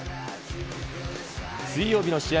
水曜日の試合